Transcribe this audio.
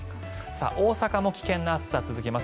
大阪も危険な暑さが続きます。